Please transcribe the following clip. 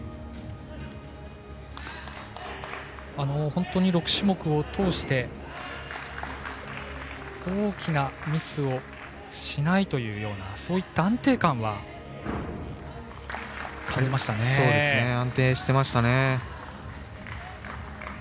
本当に６種目を通して大きなミスをしないというような安定してましたね。